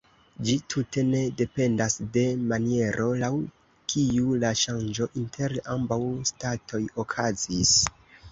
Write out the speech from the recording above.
Ĝi tute ne dependas de maniero, laŭ kiu la ŝanĝo inter ambaŭ statoj okazis.